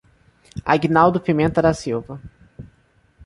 Aguinaldo Pimenta da Silva